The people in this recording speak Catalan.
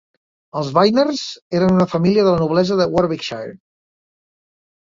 Els Vyners eren una família de la noblesa de Warwickshire.